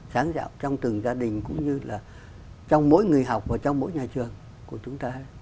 sáng dạo trong từng gia đình cũng như là trong mỗi người học và trong mỗi nhà trường của chúng ta